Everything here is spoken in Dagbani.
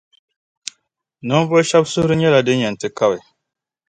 Ninvuɣu shɛba suhiri nyɛla din yɛn ti kabi.